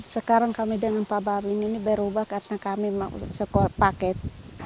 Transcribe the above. sekarang kami dengan pak babing ini berubah karena kami paket